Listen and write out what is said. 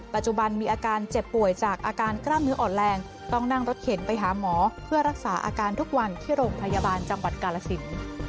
ปัจจุบันมีอาการเจ็บป่วยจากอาการกล้ามเนื้ออ่อนแรงต้องนั่งรถเข็นไปหาหมอเพื่อรักษาอาการทุกวันที่โรงพยาบาลจังหวัดกาลสิน